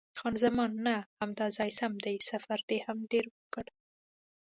خان زمان: نه، همدا ځای سم دی، سفر دې هم ډېر وکړ.